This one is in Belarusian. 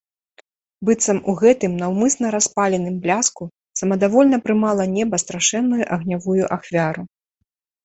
Быццам у гэтым наўмысна распаленым бляску самадавольна прымала неба страшэнную агнявую ахвяру.